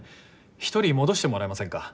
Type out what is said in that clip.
１人戻してもらえませんか？